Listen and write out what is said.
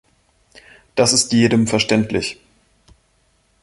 Das ist jedem verständlich.